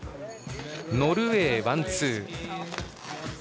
ノルウェー、ワンツー。